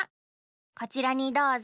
こちらにどうぞ。